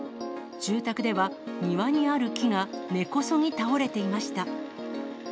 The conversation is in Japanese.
住宅では庭にある木が根こそぎ倒れていました。